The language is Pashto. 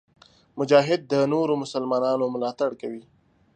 مجاهد د نورو مسلمانانو ملاتړ کوي.